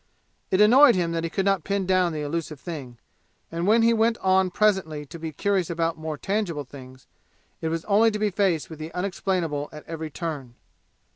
It annoyed him that he could not pin down the elusive thing; and when he went on presently to be curious about more tangible things, it was only to be faced with the unexplainable at every turn.